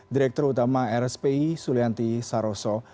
direktur utama rspi sulianti saroso